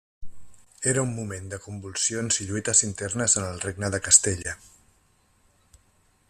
Era un moment de convulsions i lluites internes en el regne de Castella.